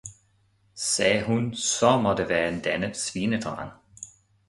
sagde hun, saa maa det være en dannet Svinedreng!